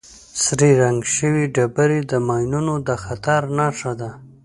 سرې رنګ شوې ډبرې د ماینونو د خطر نښه ده.